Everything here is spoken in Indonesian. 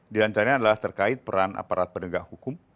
dilanjarnya adalah terkait peran aparat penegak hukum